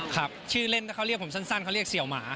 เขาเรียกผมสั้นเขาเรียกเสี่ยวหมา